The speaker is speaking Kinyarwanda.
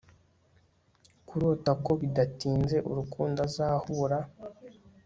Kurota ko bidatinze urukundo azahura